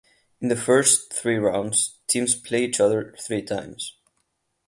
In the first three rounds teams play each other three times.